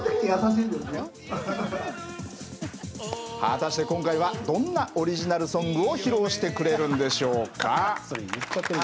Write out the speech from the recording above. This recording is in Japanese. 果たして今回はどんなオリジナルソングを披露してくれるんでしょうか？